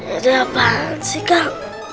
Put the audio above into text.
itu apaan sih kak